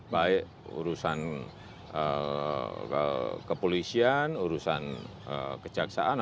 baik urusan kepolisian urusan kejaksaan